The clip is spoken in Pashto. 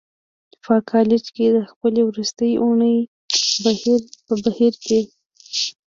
په کالج کې د خپلې وروستۍ اونۍ په بهير کې.